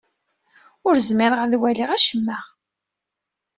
Ur zmireɣ ad waliɣ acemma.